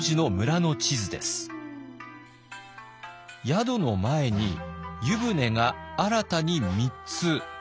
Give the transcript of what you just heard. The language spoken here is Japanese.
宿の前に湯船が新たに３つ。